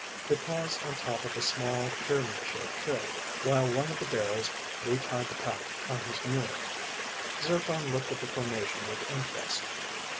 They paused on top of a small, pyramid shaped hill while one of the bearers retied the pack on his mule. Zircon looked at the formation with interest.